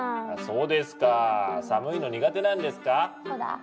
あそうですか。寒いの苦手なんですか？